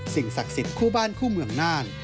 ศักดิ์สิทธิ์คู่บ้านคู่เมืองน่าน